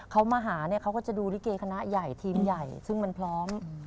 เขามาหาเนี่ยเขาก็จะดูลิเกคณะใหญ่ทีมใหญ่ซึ่งมันพร้อม